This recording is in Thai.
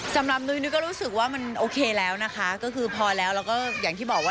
นุ้ยก็รู้สึกว่ามันโอเคแล้วนะคะก็คือพอแล้วแล้วก็อย่างที่บอกว่า